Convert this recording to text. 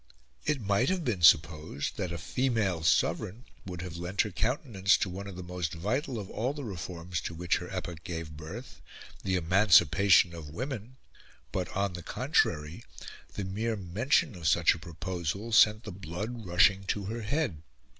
It might have been supposed that a female sovereign would have lent her countenance to one of the most vital of all the reforms to which her epoch gave birth the emancipation of women but, on the contrary, the mere mention of such a proposal sent the blood rushing to her head.